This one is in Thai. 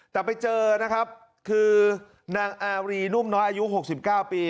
แต่ไปเจอนะครับคือนางอารีนุ่มน้อยอายุ๖๙ปี